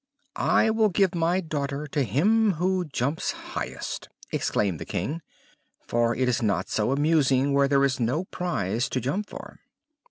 "I will give my daughter to him who jumps highest," exclaimed the King; "for it is not so amusing where there is no prize to jump for."